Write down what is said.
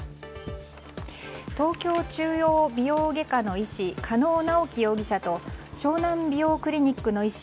東京中央美容外科の医師加納直樹容疑者と湘南美容クリニックの医師